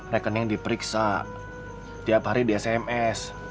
rekening diperiksa tiap hari di sms